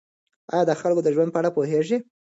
آیا د خلکو د ژوند په اړه پوهېږئ؟